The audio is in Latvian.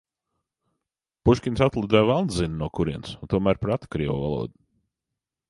Puškins atlidoja velns zina no kurienes un tomēr prata krievu valodu.